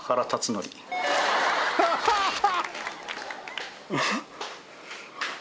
ハハハハ！